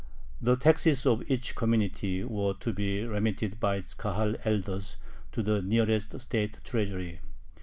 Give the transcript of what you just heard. The taxes of each community were to be remitted by its Kahal elders to the nearest state treasury.